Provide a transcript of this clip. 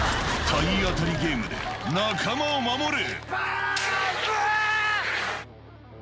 体当たりゲームで仲間を守れ。